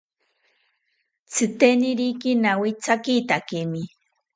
Tzitenikiri nawithakithakimi